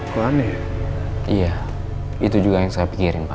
kuan iya itu juga yang saya pikirin pak